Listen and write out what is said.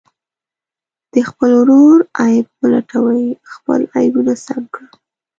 د خپل ورور عیب مه لټوئ، خپل عیبونه سم کړه.